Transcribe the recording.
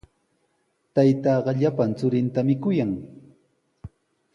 Taytaaqa llapan churintami kuyan.